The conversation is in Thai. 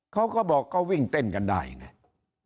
เขาก็บอกก็วิ่งเต้นกันได้ไง